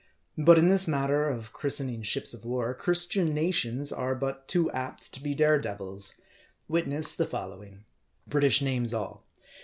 But in this matter of christening ships of war, Christian nations are but too apt to be dare devils. Witness the following : British names all.